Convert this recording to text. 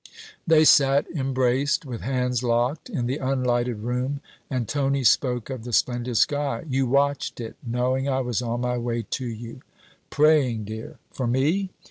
They sat embraced, with hands locked, in the unlighted room, and Tony spoke of the splendid sky. 'You watched it knowing I was on my way to you?' 'Praying, dear.' 'For me?'